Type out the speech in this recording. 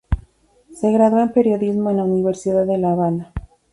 Se graduó en periodismo en la Universidad de La Habana.